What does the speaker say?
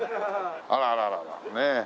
あららららねえ。